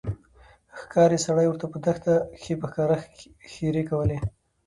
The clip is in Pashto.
ښکارې سړي ورته په دښته کښي په ښکاره ښيرې کولې